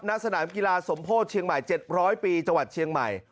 ณสนามกีฬาสมโพธิเชียงใหม่๗๐๐ปีจังหวัดเชียงใหม่